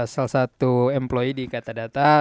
salah satu employee di kata data